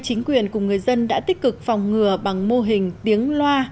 chính quyền cùng người dân đã tích cực phòng ngừa bằng mô hình tiếng loa